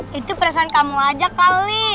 itu perasaan kamu aja kali